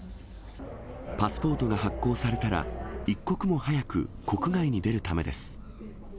パスポートが発行されたら、一刻も早く国外に出るためです。